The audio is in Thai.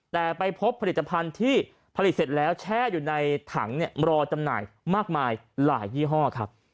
แต่ไปพบผลิตภัณฑ์ที่ผลิตเสร็จแล้วแช่อยู่ในถังรอจำหน่ายมากมายหลายยี่ห้อครับ